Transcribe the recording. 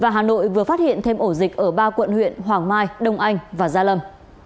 hà nội vừa phát hiện thêm ổ dịch ở ba quận huyện hoàng mai đông anh và gia lâm